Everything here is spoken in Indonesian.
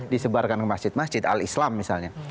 disebarkan ke masjid masjid al islam misalnya